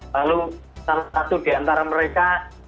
lalu salah satu di antara mereka